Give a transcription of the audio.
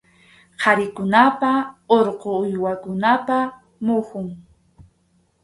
Qharikunapa urqu uywakunapa muhun.